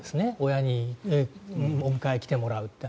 親にお迎え来てもらうって。